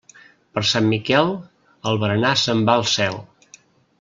Per Sant Miquel, el berenar se'n va al cel.